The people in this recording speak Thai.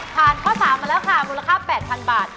ผ่านข้อ๓มาแล้วค่ะมูลค่า๘๐๐๐บาท